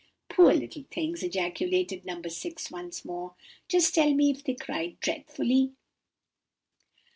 "Poor little things!" ejaculated No. 6, once more. "Just tell me if they cried dreadfully."